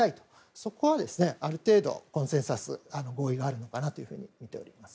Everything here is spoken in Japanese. そこはある程度、コンセンサス合意があるのかなとみています。